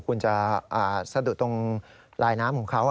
คุณจะสะดุดตรงลายน้ำของเขา